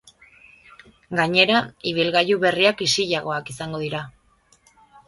Gainera, ibilgailu berriak isilagoak izango dira.